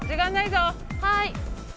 はい。